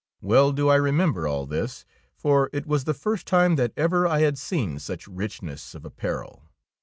Well do I remember all this, for it was the first time that ever I had seen such richness of apparel.